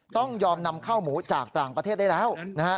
ต้องยอมนำข้าวหมูจากต่างประเทศได้แล้วนะฮะ